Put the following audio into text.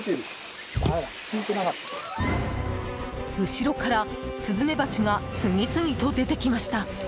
後ろからスズメバチが次々と出てきました。